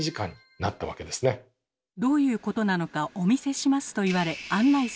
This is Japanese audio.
「どういうことなのかお見せします」と言われお！